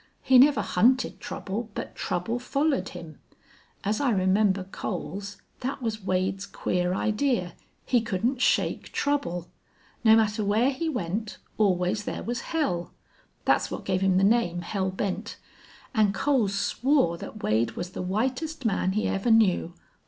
He never hunted trouble, but trouble follered him. As I remember Coles, thet was Wade's queer idee he couldn't shake trouble. No matter whar he went, always thar was hell. Thet's what gave him the name Hell Bent.... An' Coles swore thet Wade was the whitest man he ever knew.